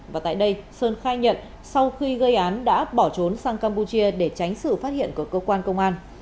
và tại đây sơn khai nhận sau khi gây án đã bỏ trốn sang campuchia để tránh sự phát hiện của cơ quan công an